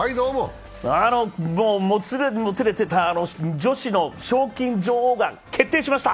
もつれにもつれていた女子の賞金女王が決定しました！